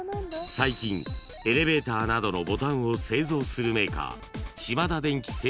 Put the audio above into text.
［最近エレベーターなどのボタンを製造するメーカー島田電機